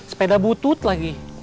sepeda butut lagi